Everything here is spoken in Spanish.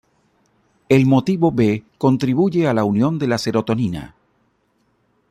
El Motivo B contribuye a la unión de la serotonina.